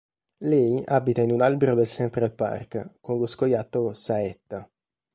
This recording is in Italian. Lei abita in un albero del Central Park con lo scoiattolo Saetta.